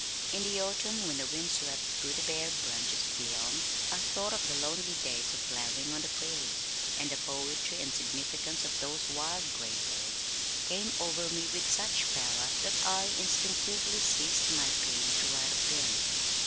In the autumn when the wind swept through the bare branches of the elm, I thought of the lonely days of plowing on the prairie, and the poetry and significance of those wild gray days came over me with such power that I instinctively seized my pen to write of them.